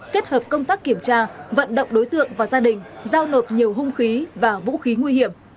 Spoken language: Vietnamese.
kết hợp công tác kiểm tra vận động đối tượng và gia đình giao nộp nhiều hung khí và vũ khí nguy hiểm